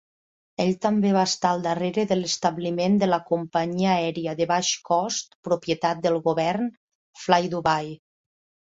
Ell també va estar al darrere de l'establiment de la companyia aèria de baix cost, propietat del govern, FlyDubai.